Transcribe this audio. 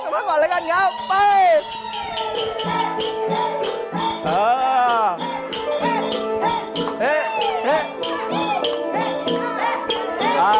ไว้ก่อนแล้วกันครับไป